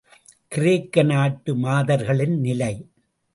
கிரேக்க நாட்டு மாதர்களின் நிலை.